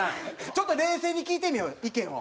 ちょっと冷静に聞いてみようよ意見を。